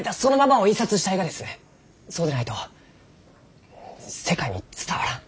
そうでないと世界に伝わらん。